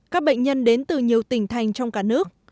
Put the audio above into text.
các bệnh nhân đến từ nhiều tỉnh thành trong cả nước